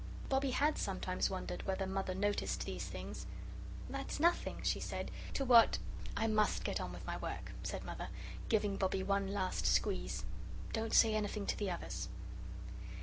Bobbie HAD sometimes wondered whether Mother noticed these things. "That's nothing," she said, "to what " "I MUST get on with my work," said Mother, giving Bobbie one last squeeze. "Don't say anything to the others."